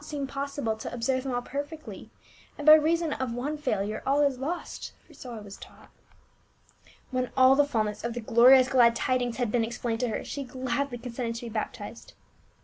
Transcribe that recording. seemed not possible to observe them all perfectly, and by reason of one fciilurc all is lost — for so I was taught." When all the fulness of the glorious glad tidings had been explained to her, she gladly consented to be baptized.